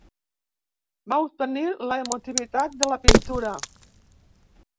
Vol obtenir l'emotivitat de la pintura.